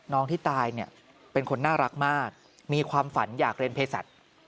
ที่ตายเนี่ยเป็นคนน่ารักมากมีความฝันอยากเรียนเพศัตริย์